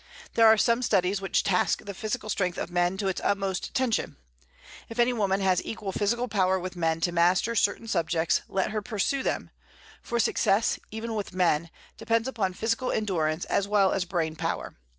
There are some studies which task the physical strength of men to its utmost tension. If any woman has equal physical power with men to master certain subjects, let her pursue them; for success, even with men, depends upon physical endurance as well as brain power.